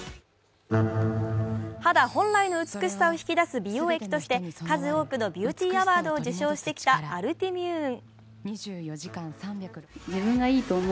肌本来の美しさを引き出す美容液として数多くのビューティーアワードを受賞してきたアルティミューン。